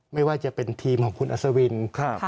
ไม่ว่าจะเป็นทีมของคุณอัศวิน